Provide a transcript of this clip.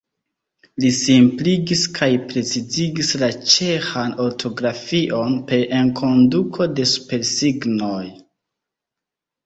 Li simpligis kaj precizigis la ĉeĥan ortografion per enkonduko de supersignoj.